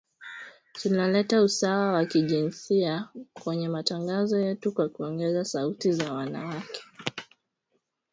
tuna leta usawa wa jinsia kwenye matangazo yetu kwa kuongeza sauti za wanawake